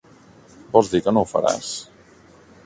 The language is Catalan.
Vols dir que no ho faràs?